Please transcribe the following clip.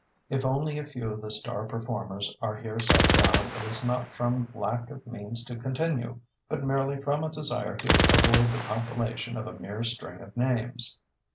If only a few of the star performers are here set down, it is not from lack of means to continue, but merely from a desire to avoid the compilation of a mere string of names.